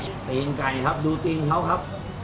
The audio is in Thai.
ตีนไก่ครับดูตีนเขาครับ